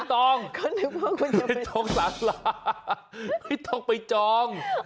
น้องไม่ต้องไม่ต้องไปจอง